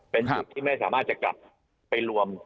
เป็นจุดที่ไม่สามารถจะกลับไปรวม